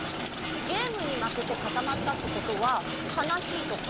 ゲームにまけてかたまったってことはかなしいとか？